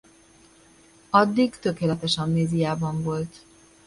Addig tökéletes amnéziában volt.